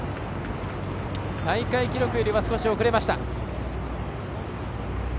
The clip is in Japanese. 大会記録よりは少し遅れました。